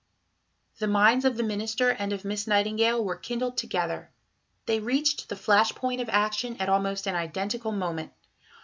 The minds of the Minister and of Miss Nightingale were kindled together. They reached the flash point of action at almost an identical moment.